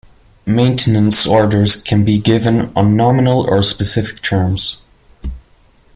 Maintenance orders can be given on nominal or specific terms.